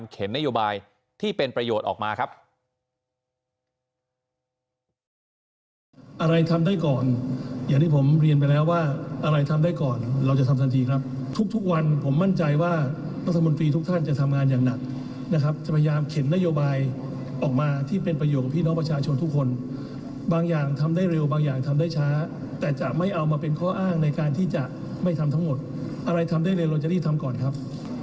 นโยบายที่เป็นประโยชน์ออกมาครับ